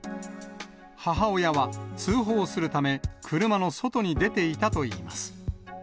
母親は、通報するため、車の外に出ていたといいます。